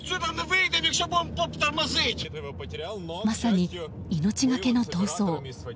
まさに命がけの逃走。